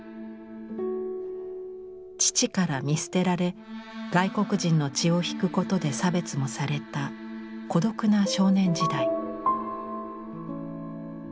父から見捨てられ外国人の血を引くことで差別もされた孤独な少年時代。